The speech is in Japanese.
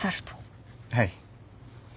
はい。